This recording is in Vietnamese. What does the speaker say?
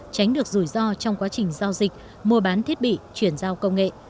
tránh được rủi ro trong quá trình giao dịch mua bán thiết bị chuyển giao công nghệ